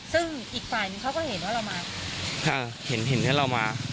ซึ่งอีกฝ่ายนี้เขาก็เห็นเรามา